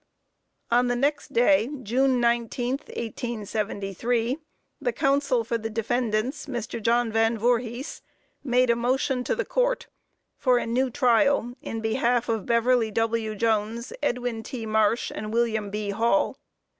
On the next day, June 19, 1873, the counsel for the defendants, Mr. John Van Voorhis, made a motion to the Court, for a new trial in behalf of Beverly W. Jones, Edwin T. Marsh and William B. Hall.